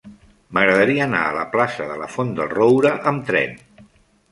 M'agradaria anar a la plaça de la Font del Roure amb tren.